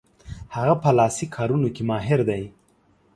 هغه په لاسي کارونو کې ماهر دی.